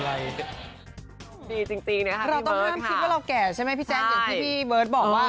เด้งอะไรพี่จัด